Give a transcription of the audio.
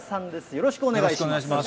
よろしくお願いします。